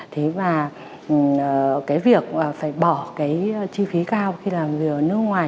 thế và cái việc phải bỏ cái chi phí cao khi làm việc ở nước ngoài